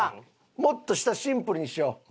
もっと下シンプルにしよう。